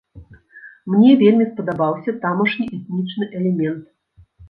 Мне вельмі спадабаўся тамашні этнічны элемент.